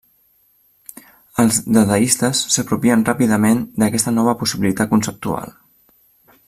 Els dadaistes s'apropien ràpidament d'aquesta nova possibilitat conceptual.